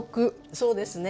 そうですね。